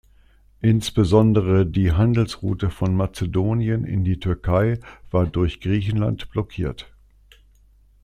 Insbesondere die Handelsroute von Mazedonien in die Türkei war durch Griechenland blockiert.